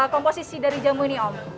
komposisi dari jamu ini om